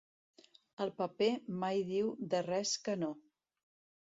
El paper mai diu de res que no.